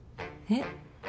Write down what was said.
えっ？